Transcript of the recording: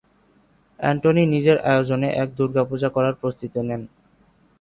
Antony নিজের আয়োজনে এক দুর্গাপূজা করার প্রস্তুতি নেন।